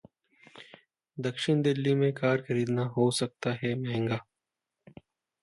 दक्षिण दिल्ली में कार खरीदना हो सकता है महंगा!